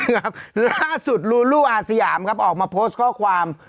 ครับล่าสุดลูลูอาสยามครับออกมาโพสต์ข้อความ